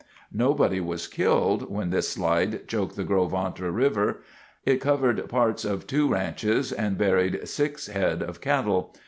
Nobody was killed when this slide choked the Gros Ventre River. It covered parts of two ranches and buried six head of cattle.